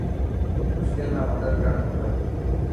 مشڪل ۾ مدد ڪرڻ کپي.